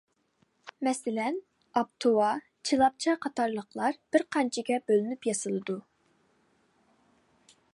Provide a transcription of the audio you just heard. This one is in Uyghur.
مەسىلەن، ئاپتۇۋا، چىلاپچا قاتارلىقلار بىر قانچىگە بۆلۈنۈپ ياسىلىدۇ.